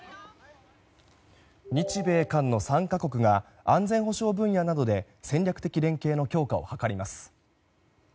日米韓の３か国が安全保障分野などで戦略的連携の強化を図ります。